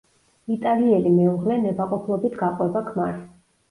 იტალიელი მეუღლე ნებაყოფლობით გაყვება ქმარს.